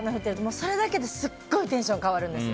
それだけですごいテンション変わるんです。